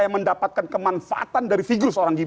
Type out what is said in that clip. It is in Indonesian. yang mendapatkan kemanfaatan dari figur seorang gibran